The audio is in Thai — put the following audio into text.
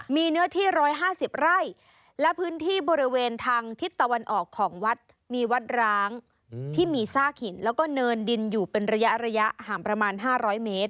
มีเนื้อที่๑๕๐ไร่และพื้นที่บริเวณทางทิศตะวันออกของวัดมีวัดร้างที่มีซากหินแล้วก็เนินดินอยู่เป็นระยะระยะห่างประมาณ๕๐๐เมตร